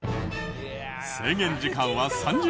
制限時間は３０秒。